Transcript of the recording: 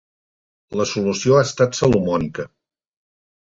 La solució ha estat salomònica.